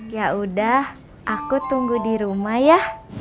yaudah aku tunggu di rumah ya